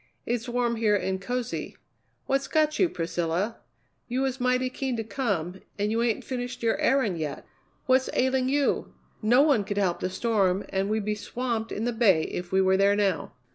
"It's warm here and cozy. What's got you, Priscilla? You was mighty keen to come, and you ain't finished your errand yet. What's ailing you? No one could help the storm, and we'd be swamped in the bay if we was there now."